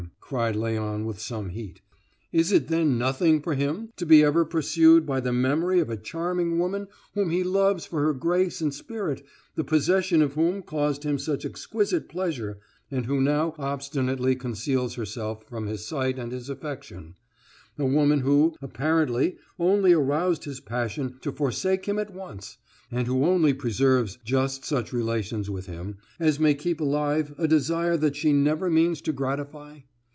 cried Léon with some heat. "Is it then nothing for him to be ever pursued by the memory of a charming woman whom he loves for her grace and spirit, the possession of whom caused him such exquisite pleasure, and who now obstinately conceals herself from his sight and his affection a woman who, apparently, only aroused his passion to forsake him at once, and who only preserves just such relations with him as may keep alive a desire that she never means to gratify?